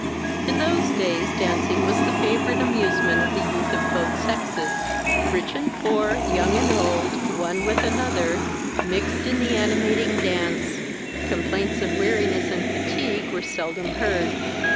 In those days dancing was the favourite amusement of the youth of both sexes: rich and poor, young and old, one with another, mixed in the animating dance: complaints of weariness and fatigue were seldom heard.